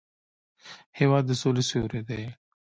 هېواد د سولې سیوری دی.